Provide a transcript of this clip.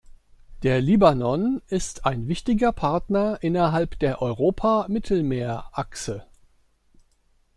Der Libanon ist ein wichtiger Partner innerhalb der Europa-Mittelmeer-Achse.